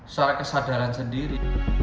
secara kesadaran sendiri